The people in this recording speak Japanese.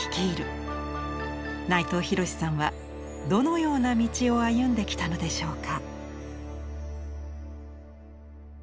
内藤廣さんはどのような道を歩んできたのでしょうか。